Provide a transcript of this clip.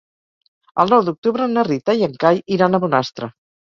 El nou d'octubre na Rita i en Cai iran a Bonastre.